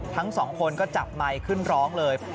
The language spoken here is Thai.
ทั้งสองคนก็จับไมค์ขึ้นร้องเลย